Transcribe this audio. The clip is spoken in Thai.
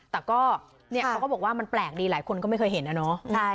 แต่ก็เนี่ยเขาก็บอกว่ามันแปลกดีหลายคนก็ไม่เคยเห็นอะเนาะ